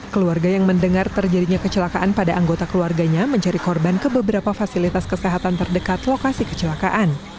keluarga yang mendengar terjadinya kecelakaan pada anggota keluarganya mencari korban ke beberapa fasilitas kesehatan terdekat lokasi kecelakaan